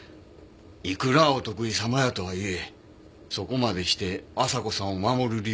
いくらお得意様やとはいえそこまでして朝子さんを守る理由はありません。